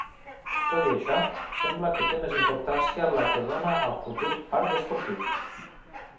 Tot i això, sembla que té més importància la que dóna al futur parc esportiu.